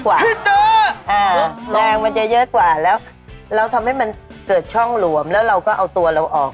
คือตัวแรงมันจะเยอะกว่าแล้วเราทำให้มันเกิดช่องหลวมแล้วเราก็เอาตัวเราออก